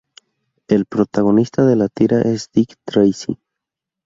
El protagonista de la tira es Dick Tracy.